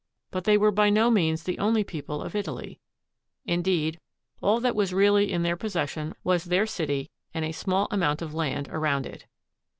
But they were by no means the only people of Italy; indeed, all that was really in their possession was their city and a small amount of land around it.